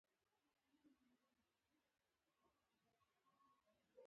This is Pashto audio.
د وینز جمهوریت په لومړیو کې دوج ډېر ځواکمن و